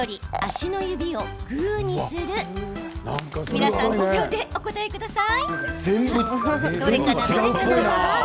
皆さん、５秒でお答えください。